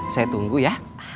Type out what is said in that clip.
saya tunggu ya